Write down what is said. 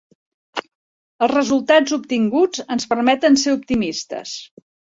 Els resultats obtinguts ens permeten ser optimistes.